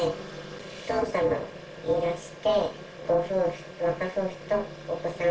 お父さんがいらして、ご夫婦、若夫婦とお子さん。